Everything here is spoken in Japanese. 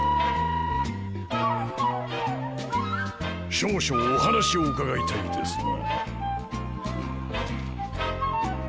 少々お話を伺いたいですな。